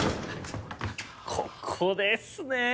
ここですね！